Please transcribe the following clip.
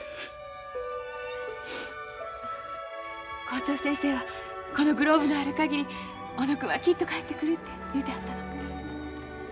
「校長先生はこのグローブのある限り小野君はきっと帰ってくる」って言うてはったの。